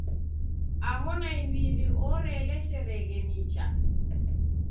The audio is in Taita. Aho naimbiri oreeleshereghe nicha.